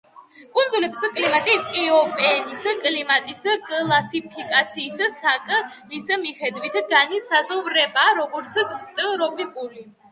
კუნძულების კლიმატი კიოპენის კლიმატის კლასიფიკაციის სკალის მიხედვით განისაზღვრება როგორც ტროპიკული.